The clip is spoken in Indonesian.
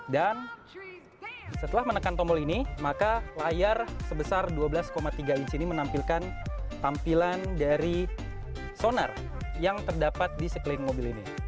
dan setelah menekan tombol ini maka layar sebesar dua belas tiga inci ini menampilkan tampilan dari sonar yang terdapat di sekeliling mobil ini